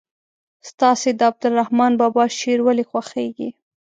ستاسې د عبدالرحمان بابا شعر ولې خوښیږي.